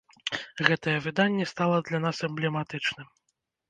Гэтае выданне стала для нас эмблематычным.